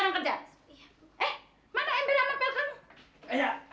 eh mana ember yang mau pel kamu